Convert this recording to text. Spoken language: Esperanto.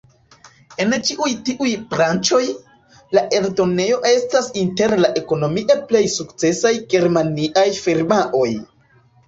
En ĉiuj tiuj branĉoj, la eldonejo estas inter la ekonomie plej sukcesaj germaniaj firmaoj.